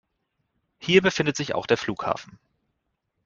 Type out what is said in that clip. Hier befindet sich auch der Flughafen.